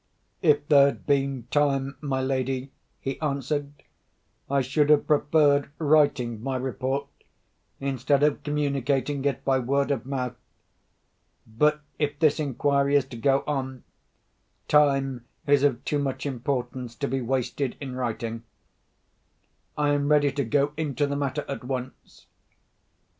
"If there had been time, my lady," he answered, "I should have preferred writing my report, instead of communicating it by word of mouth. But, if this inquiry is to go on, time is of too much importance to be wasted in writing. I am ready to go into the matter at once.